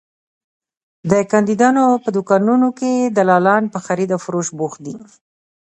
د کاندیدانو په دوکانونو کې دلالان په خرید او فروش بوخت دي.